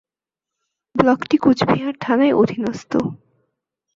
ব্লকটি কোচবিহার থানার অধীনস্থ।